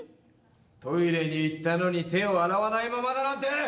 トイレにいったのにてをあらわないままだなんて。